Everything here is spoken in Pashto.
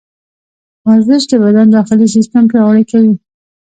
ورزش د بدن داخلي سیسټم پیاوړی کوي.